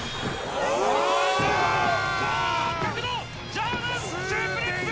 ジャーマンスープレックス！